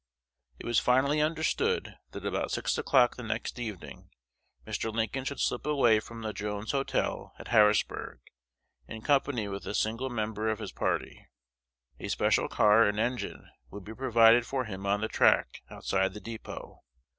It was finally understood that about six o'clock the next evening Mr. Lincoln should slip away from the Jones Hotel, at Harrisburg, in company with a single member of his party. A special car and engine would be provided for him on the track outside the dépôt.